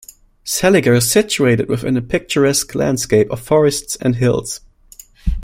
Seliger is situated within a picturesque landscape of forests and hills.